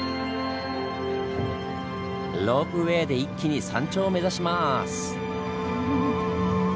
ロープウェーで一気に山頂を目指します！